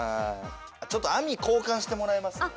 ちょっと網交換してもらえます？